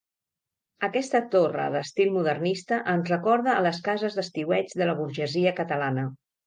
Aquesta torre d'estil modernista ens recorda a les cases d'estiueig de la burgesia catalana.